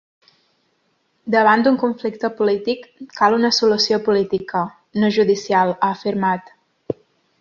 Davant d’un conflicte polític, cal una solució política, no judicial, ha afirmat.